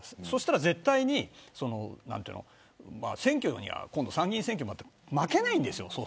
そうしたら絶対に参議院選挙で負けないんですよ。